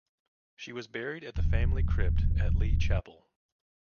She was buried in the family crypt at Lee Chapel.